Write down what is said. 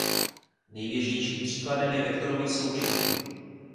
Nejběžnějším příkladem je vektorový součin.